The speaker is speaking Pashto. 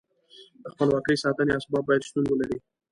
د خپلواکۍ ساتنې اسباب باید شتون ولري.